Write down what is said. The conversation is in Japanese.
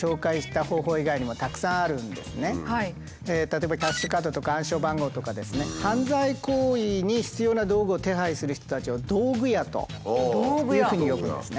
例えばキャッシュカードとか暗証番号とか犯罪行為に必要な道具を手配する人たちを「道具屋」というふうに呼ぶんですね。